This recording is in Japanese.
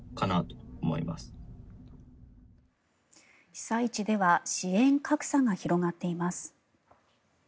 被災地では支援格差が広がっています。